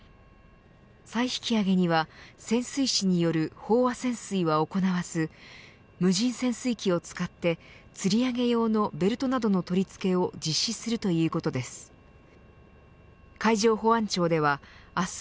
再引き揚げには潜水士による飽和潜水は行わず無人潜水機を使ってつり上げ用のベルトなどの取り付けを実施するということです。